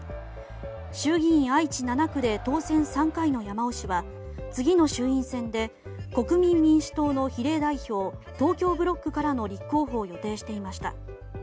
衆議院愛知７区で当選３回の山尾氏は次の衆院選で国民民主党の比例代表、東京ブロックからの立候補を予定していました。